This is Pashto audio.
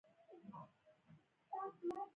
طالبانیزم د اسلامي بنسټپالنې له کورنۍ څخه دی.